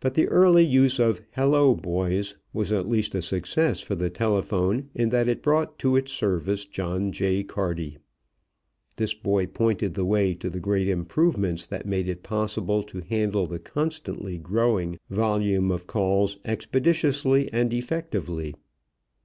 But the early use of "hello boys" was at least a success for the telephone in that it brought to its service John J. Carty. This boy pointed the way to the great improvements that made it possible to handle the constantly growing volume of calls expeditiously and effectively.